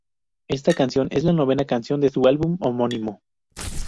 Esta canción es la novena canción de su álbum homónimo.